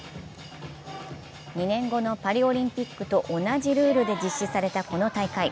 ２年後のパリオリンピックと同じルールで実施されたこの大会。